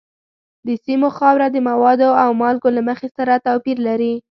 د سیمو خاوره د موادو او مالګو له مخې سره توپیر لري.